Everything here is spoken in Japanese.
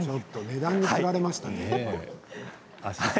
値段につられましたね。